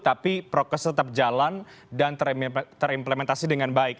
setelah ppkm level tiga dicabut tapi prokes tetap jalan dan terimplementasi dengan baik